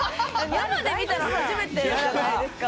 生で見たの初めてじゃないですか。